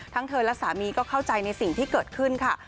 เธอและสามีก็เข้าใจในสิ่งที่เกิดขึ้นค่ะ